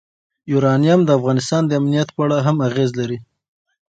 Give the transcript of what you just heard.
یورانیم د افغانستان د امنیت په اړه هم اغېز لري.